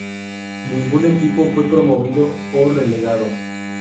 Ningún equipo fue promovido o relegado.